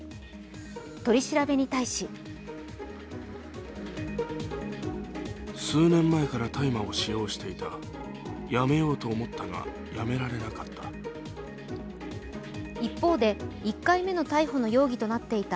取り調べに対し一方で１回目の逮捕の容疑となっていた